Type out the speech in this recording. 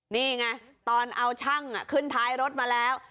นี่ไงตอนเอาช่างขึ้นท้ายรถมาแล้ว